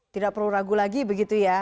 tidak perlu ragu lagi begitu ya